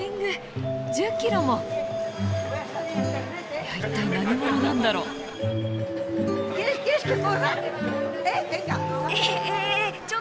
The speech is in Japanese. いや一体何者なんだろう？えっ！？